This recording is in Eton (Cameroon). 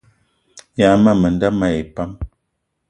Yas ma menda mayi pam